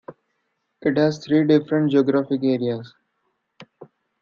It has three different geographic areas.